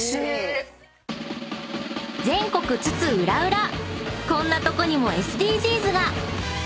［全国津々浦々こんなとこにもＳＤＧｓが！］